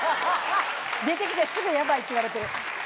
出てきてすぐ「ヤバい」って言われてる。